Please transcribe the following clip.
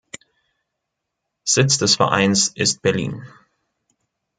Sitz des Vereins ist Berlin.